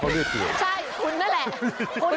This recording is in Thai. คุณไปเดี๋ยวเลย